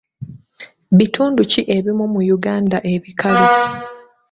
Bitundu ki ebimu mu Uganda ebikalu?